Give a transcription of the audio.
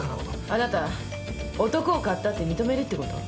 あなた男を買ったって認めるってこと？